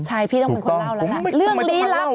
ใช่พี่ต้องเป็นคนเล่าแล้ว